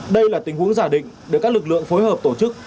đây là tình huống giả định được các lực lượng phối hợp tổ chức